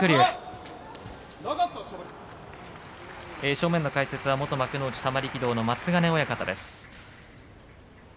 正面の解説は元幕内玉力道の松ヶ根親方です。